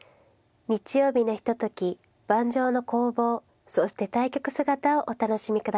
日曜日のひととき盤上の攻防そして対局姿をお楽しみ下さい。